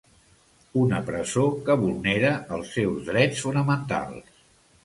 Una presó que vulnera els seus drets fonamentals.